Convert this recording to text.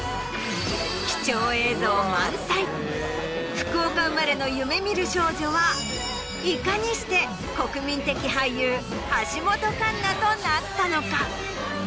福岡生まれの夢見る少女はいかにして国民的俳優橋本環奈となったのか？